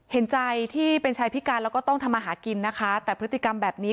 เห็นใจที่เป็นชายพิการแล้วก็ต้องทำมาหากินนะคะแต่พฤติกรรมแบบนี้